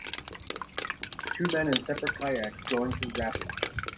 Two men in separate kayaks going through rapids.